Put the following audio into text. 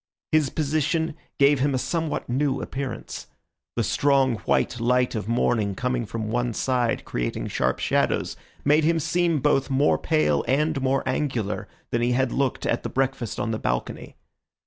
His position gave him a somewhat new appearance. The strong, white light of morning coming from one side creating sharp shadows, made him seem both more pale and more angular than he had looked at the breakfast on the balcony.